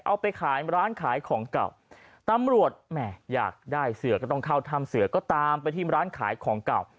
เอาไปขายร้านขายของเก่าตำรวจแหมอยากได้เสือก็ต้องเข้าถ้ำเสือก็ตามไปที่ร้านขายของเก่า